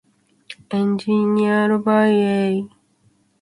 Engineered by A.